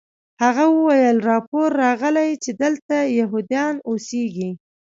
هغه وویل راپور راغلی چې دلته یهودان اوسیږي